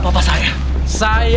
keluar keluar ayo